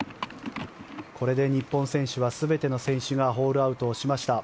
これで日本選手は全ての選手がホールアウトをしました。